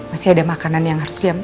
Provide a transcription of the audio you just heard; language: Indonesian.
masih ada makanan yang harus diam